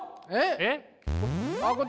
えっ？